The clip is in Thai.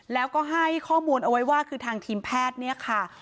แล้วก็ให้ข้อมูลเอาไว้ว่าคือทางทีมแพทย์เนี่ยค่ะ